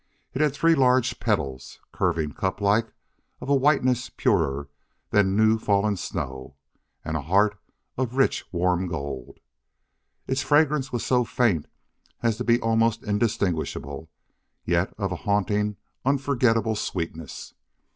It had three large petals, curving cuplike, of a whiteness purer than new fallen snow, and a heart of rich, warm gold. Its fragrance was so faint as to be almost indistinguishable, yet of a haunting, unforgettable sweetness.